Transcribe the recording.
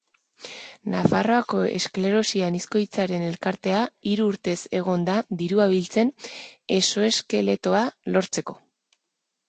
Nafarroako Esklerosi Anizkoitzaren Elkartea hiru urtez egon da dirua biltzen exoeskeletoa lortzeko.